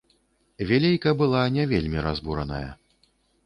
Вілейка была не вельмі разбураная.